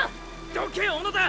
どけ小野田！